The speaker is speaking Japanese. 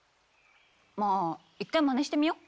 まあ一回まねしてみよ。